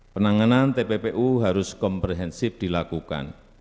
penanganan tppu harus komprehensif dilakukan